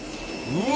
うわ！